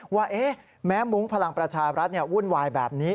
ว่าแม้มุ้งพลังประชารัฐวุ่นวายแบบนี้